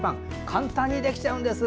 簡単にできちゃうんです。